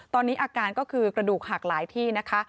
ตอนนี้อาการก็คือกระดูกหักหลายที่นะคะ